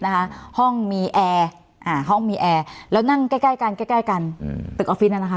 อ่าห้องมีแอร์แล้วนั่งใกล้กันใกล้กันอืมตึกออฟฟิศนั่นนะคะ